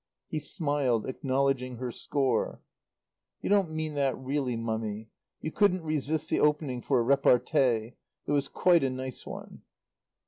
He smiled, acknowledging her score. "You don't mean that, really, Mummy. You couldn't resist the opening for a repartee. It was quite a nice one."